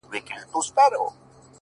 ځوان د خپلي خولگۍ دواړي شونډي قلف کړې’